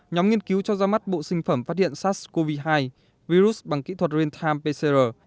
nhóm nghiên cứu cho ra mắt bộ sinh phẩm phát hiện sars cov hai virus bằng kỹ thuật real time pcr